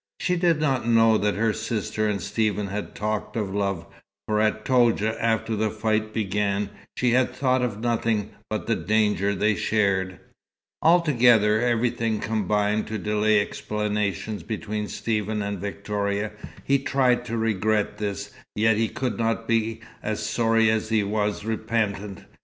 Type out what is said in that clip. She did not know that her sister and Stephen had talked of love, for at Toudja after the fight began she had thought of nothing but the danger they shared. Altogether, everything combined to delay explanations between Stephen and Victoria. He tried to regret this, yet could not be as sorry as he was repentant.